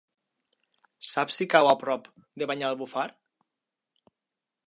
Saps si cau a prop de Banyalbufar?